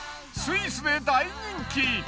スイスで大人気。